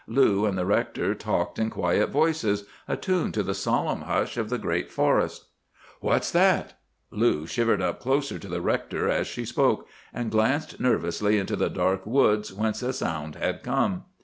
Lou and the rector talked in quiet voices, attuned to the solemn hush of the great forest. "'What's that?' "Lou shivered up closer to the rector as she spoke, and glanced nervously into the dark woods whence a sound had come.